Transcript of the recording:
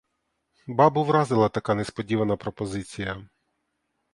Бабу вразила така несподівана пропозиція.